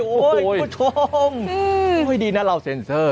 คุณผู้ชมคุณผู้ชมอุ๊ยดีนะเราเซ็นเซอร์